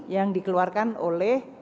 yang dikeluarkan oleh